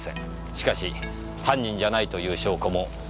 しかし犯人じゃないという証拠も同様にない。